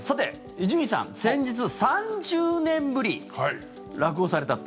伊集院さん、先日３０年ぶり、落語されたと。